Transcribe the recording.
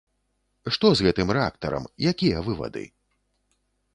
Што з гэтым рэактарам, якія вывады?